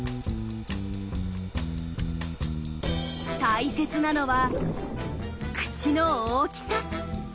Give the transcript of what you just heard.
大切なのは口の大きさ。